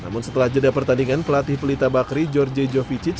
namun setelah jeda pertandingan pelatih pelita bakri george jovicic